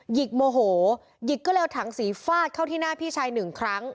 หิกโมโหหยิกก็เลยเอาถังสีฟาดเข้าที่หน้าพี่ชายหนึ่งครั้ง